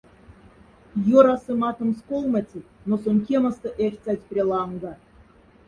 Ёрасы матомс колмоцеть, но сонь кемоста эрьхтьсазь пря ланга.